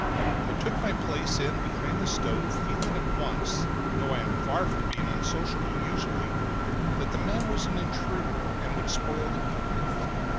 I took my place in behind the stove, feeling at once, though I am far from being unsociable usually, that the man was an intruder and would spoil the evening.